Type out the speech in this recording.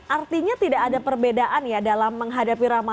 artinya tidak ada perbedaan ya dalam menghadapi ramadan